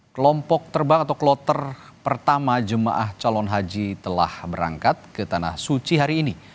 kelompok terbang atau kloter pertama jemaah calon haji telah berangkat ke tanah suci hari ini